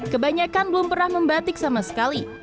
kebanyakan belum pernah membatik sama sekali